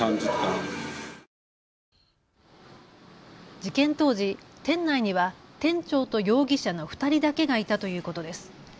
事件当時、店内には店長と容疑者の２人だけがいたということです。